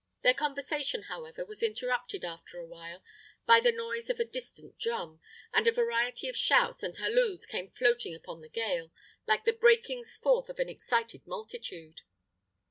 Their conversation, however, was interrupted after a while by the noise of a distant drum, and a variety of shouts and halloos came floating upon the gale, like the breakings forth of an excited multitude.